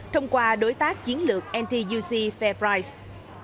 thông qua đối tác chiến lược ntuc fairprice